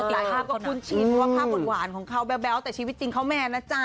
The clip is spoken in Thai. ภาพก็คุ้นชินเพราะว่าภาพหวานของเขาแบ๊วแต่ชีวิตจริงเขาแมนนะจ๊ะ